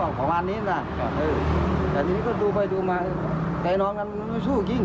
เดี๋ยวดูไปมาแต่น๋อกรรมนะมันไม่สู้กิ้ง